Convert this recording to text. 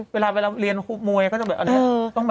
เวลาเรียนคุบมวยก็จะแบบ